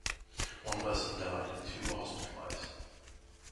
One person died and two were hospitalized.